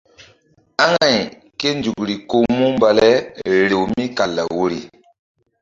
Amay ké nzukri ko mu mba le rew mí kal law woyri.